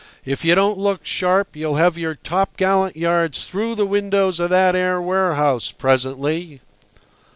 "If you don't look sharp, you'll have your topgallant yards through the windows of that 'ere warehouse presently!"